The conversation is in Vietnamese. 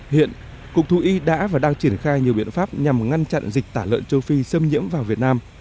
hiện cục thú y đã và đang triển khai nhiều biện pháp nhằm ngăn chặn dịch tả lợn châu phi xâm nhiễm vào việt nam